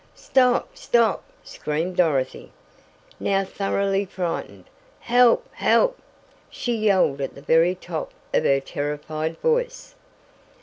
"Stop! Stop!" Screamed Dorothy, now thoroughly frightened. "Help! Help!" she yelled at the very top of her terrified voice.